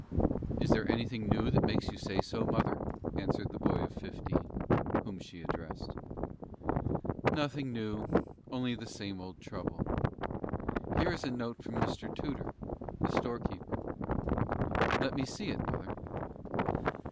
"Is there anything new that makes you say so, mother?" answered the boy of fifteen, whom she addressed. "Nothing new, only the same old trouble. Here is a note from Mr. Tudor, the storekeeper." "Let me see it, mother."